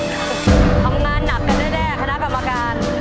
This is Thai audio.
ทำงานหนักกันแน่คณะกรรมการ